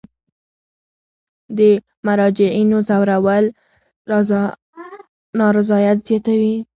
د مراجعینو ځورول نارضایت زیاتوي.